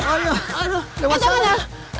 aduh lewat sana